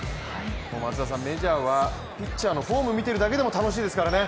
松田さん、メジャーはピッチャーのフォーム見てるだけで楽しいですからね。